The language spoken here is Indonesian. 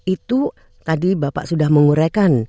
itu tadi bapak sudah menguraikan